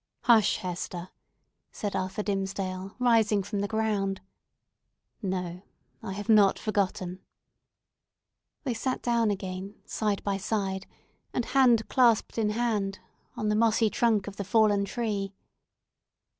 "Hush, Hester!" said Arthur Dimmesdale, rising from the ground. "No; I have not forgotten!" They sat down again, side by side, and hand clasped in hand, on the mossy trunk of the fallen tree.